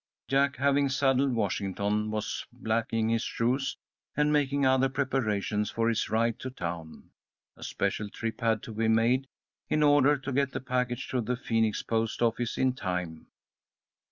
Jack, having saddled Washington, was blacking his shoes and making other preparations for his ride to town. A special trip had to be made, in order to get the package to the Phoenix post office in time.